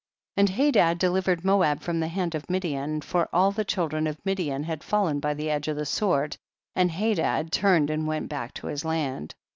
20. And Hadad delivered Moab from the hand of Midian, for all the children of Midian had fallen by the edge of the sword, and Hadad turned and went back to his land, 21.